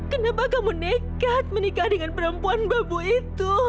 kenapa kamu nekat menikah dengan perempuan babu itu